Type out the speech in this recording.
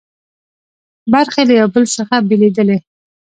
برخې له یو بل څخه بېلېدلې.